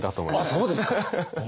あっそうですか。